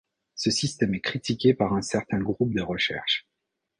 Ce système est critiqué par un certain groupe de recherche.